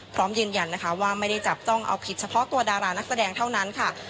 พร้อมยืนยันนะคะว่าไม่ได้จับจ้องเอาผิดเฉพาะตัวดารานักแสดงเท่านั้นค่ะ